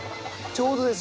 ちょうどです。